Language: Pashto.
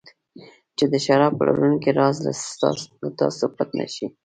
چې د شراب پلورونکي راز له تاسو پټ نه شي.